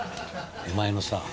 お前のさ